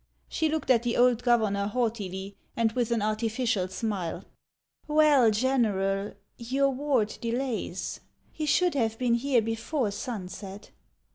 She looked at the old governor haughtily, and with an artificial smile. " Well, General, your ward delays. He should have been here before sunset."